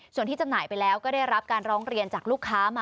ส่วนที่จำหน่ายไปแล้วก็ได้รับการร้องเรียนจากลูกค้ามา